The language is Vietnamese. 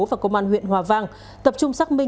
và công an huyện hòa vang tập trung xác minh